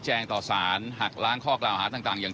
ก็คงจะมีส่วนค่อนข้างมากนะครับ